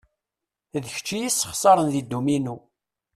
D kečč iyi-sexsaren deg dduminu.